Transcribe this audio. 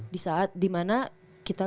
di saat dimana kita